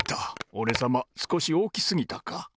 おれさますこしおおきすぎたか。